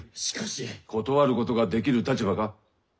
しかし。断ることができる立場か！